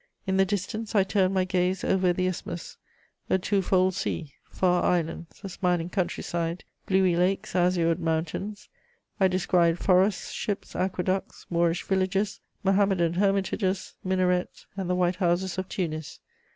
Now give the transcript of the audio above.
In the distance, I turned my gaze over the isthmus, a two fold sea, far islands, a smiling country side, bluey lakes, azured mountains; I descried forests, ships, aqueducts, Moorish villages, Mohammedan hermitages, minarets, and the white houses of Tunis.